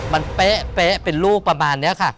มันเป๊ะเป๊ะเป็นลูกประมาณเนี่ยค่ะ